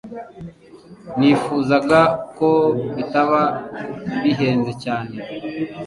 Nifuzaga ko bitaba bihenze cyane